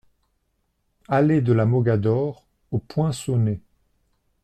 Allée de la Mogador au Poinçonnet